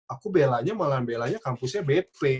aku belanya malahan belanya kampusnya bp